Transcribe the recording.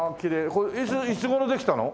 これいつ頃できたの？